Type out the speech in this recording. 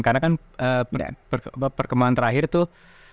karena kan perkembangan terakhir tuh